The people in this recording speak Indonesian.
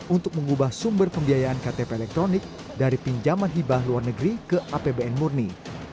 untuk mengubah sumber pembiayaan ktp elektronik dari pinjaman hibah luar negeri ke apbn murni